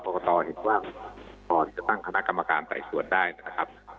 ตอเห็นว่าพอที่จะตั้งคณะกรรมการไต่สวนได้นะครับ